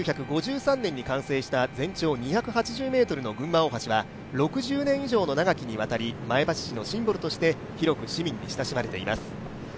１９５３年に完成した全長２８０ｍの群馬大橋は６０年以上の長きにわたり前橋市のシンボルとして広く市民に親しまれています。